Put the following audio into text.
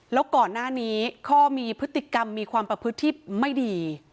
แล้วก่อนหน้านี้ข้อมีพฤติกรรมมีความประพฤติที่ไม่ดี